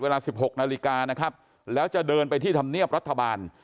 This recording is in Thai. เวลา๑๖นาฬิกานะครับแล้วจะเดินไปที่ธรรมเนียบรัฐบาล